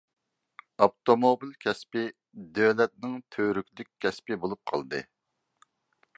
ئاپتوموبىل كەسپى دۆلەتنىڭ تۈۋرۈكلۈك كەسپى بولۇپ قالدى.